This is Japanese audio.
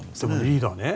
リーダーね